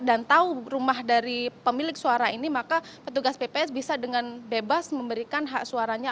dan tahu rumah dari pemilik suara ini maka petugas pps bisa dengan bebas memberikan hak suaranya